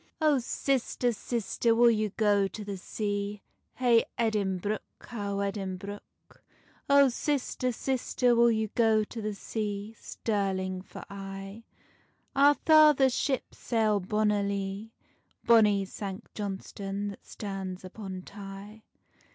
"Oh sister, sister, will ye go to the sea? Hey Edinbruch, how Edinbruch. Oh sister, sister, will ye go to the sea? Stirling for aye: Our father's ships sail bonnilie, Bonny Sanct Johnstonne that stands upon Tay."